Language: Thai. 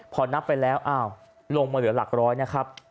พอนับไปแล้วอ้าวลงมาเหลือหลักร้อยนะครับ